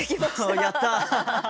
やった！